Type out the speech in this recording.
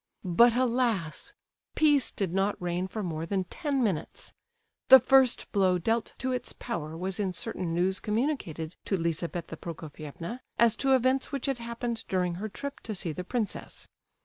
But, alas! peace did not reign for more than ten minutes. The first blow dealt to its power was in certain news communicated to Lizabetha Prokofievna as to events which had happened during her trip to see the princess.